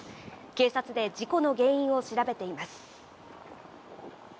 警察で事故の原因を調べています。